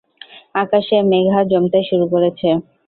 আকাশে মেঘা জমতে শুরু করেছে।